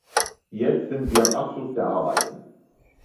Jetzt sind wir am Abschluss der Arbeiten.